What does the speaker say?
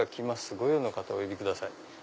ご用の方はお呼びください」。